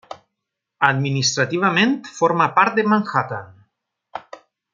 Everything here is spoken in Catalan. Administrativament forma part de Manhattan.